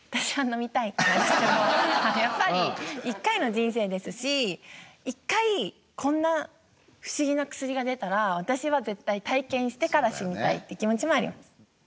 でもやっぱり１回の人生ですし１回こんな不思議な薬が出たら私は絶対体験してから死にたいって気持ちもあります。